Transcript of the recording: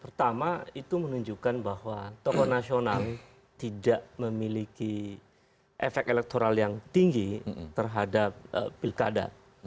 pertama itu menunjukkan bahwa tokoh nasional tidak memiliki efek elektoral yang tinggi terhadap pilkada